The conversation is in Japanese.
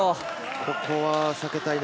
ここは避けたいな。